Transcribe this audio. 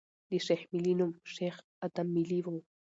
د شېخ ملي اصلي نوم شېخ ادم ملي ؤ.